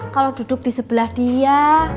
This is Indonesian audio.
kalau duduk di sebelah dia